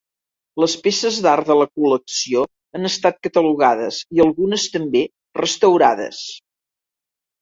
Les peces d'art de la col·lecció han estat catalogades i algunes també restaurades.